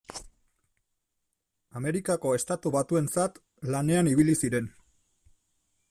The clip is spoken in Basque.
Amerikako Estatu Batuentzat lanean ibili ziren.